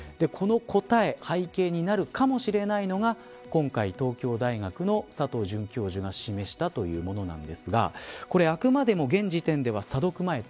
この答え、背景になるかもしれないのが今回、東京大学の佐藤准教授が示したというものですがあくまでも現時点では査読前